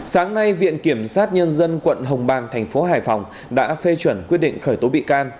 sáng nay viện kiểm sát nhân dân quận hồng bang thành phố hải phòng đã phê chuẩn quyết định khởi tố bị can